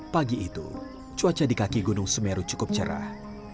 pagi itu cuaca di kaki gunung semeru cukup cerah